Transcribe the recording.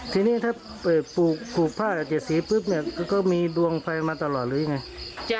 ที่นี่ถ้าปลูกผ้าเก็ดเป้าะพี้เนี่ยมีดวงไฟมาตลอดหรือยังไง